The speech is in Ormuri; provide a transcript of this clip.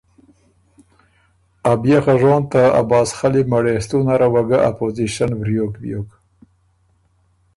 ا بيې خه ژون ته عباس خلی مړېستُون نره وه ګۀ ا پوزیشن وریوک بیوک